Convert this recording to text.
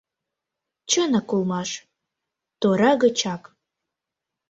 Чынак улмаш: тора гычак